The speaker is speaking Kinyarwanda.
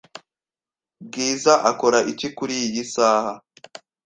Bwiza akora iki kuriyi saha?